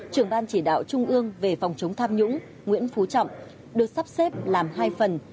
trưởng ban chỉ đạo trung ương về phòng chống tham nhũng nguyễn phú trọng được sắp xếp làm hai phần